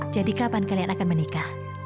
jadi kapan kalian akan menikah